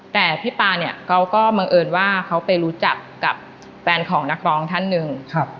แต่พี่ปาเนี่ยเขาก็บังเอิญว่าเขาไปรู้จักกับแฟนของนักร้องท่านหนึ่ง